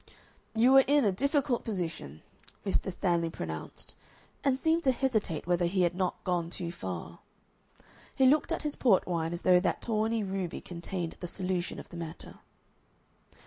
"You were in a difficult position," Mr. Stanley pronounced, and seemed to hesitate whether he had not gone too far. He looked at his port wine as though that tawny ruby contained the solution of the matter.